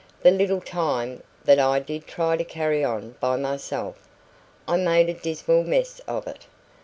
The little time that I did try to carry on by myself, I made a dismal mess of it.